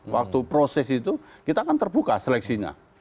waktu proses itu kita akan terbuka seleksinya